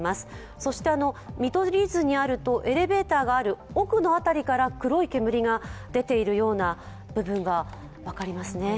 そして見取り図によると、エレベーターのある奥に黒い煙が出ているような部分が分かりますね。